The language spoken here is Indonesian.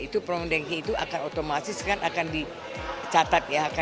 itu poin ranking itu akan otomatis akan dicatat ya